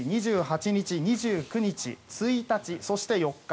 ２５日、２８日、２９日、１日そして４日。